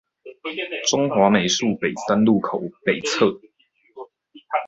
中華美術北三路口北側